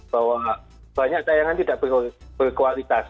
bahwa banyak tayangan tidak berkualitas